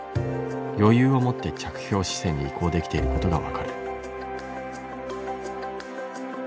余裕を持って着氷姿勢に移行できていることが分かる。